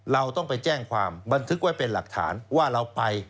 เราต้องไปแจ้งความบันทึกไว้เป็นหลักฐานว่าเราไป